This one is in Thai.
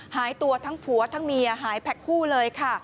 หายตัวทั้งผัวทั้งเมียหายแพ็คคู่เลยค่ะ